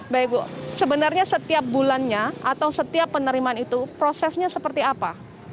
baik bu sebenarnya setiap bulannya atau setiap penerimaan itu prosesnya seperti apa